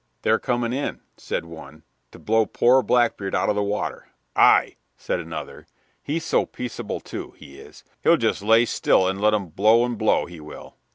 "They're coming in," said one, "to blow poor Blackbeard out of the water." "Aye," said another, "he's so peaceable, too, he is; he'll just lay still and let 'em blow and blow, he will."